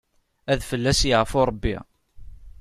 Ad fell-as yaɛfu Rebbi.